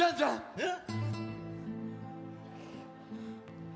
えっ！